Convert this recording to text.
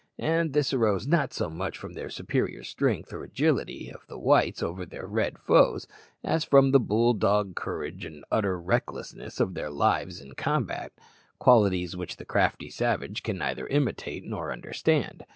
And this arose not so much from the superior strength or agility of the Whites over their red foes, as from that bull dog courage and utter recklessness of their lives in combat qualities which the crafty savage can neither imitate nor understand.